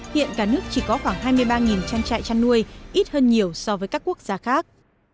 hiện cả nước chỉ có khoảng hai mươi ba trang trại chăn nuôi ít hơn nhiều so với các quốc gia khác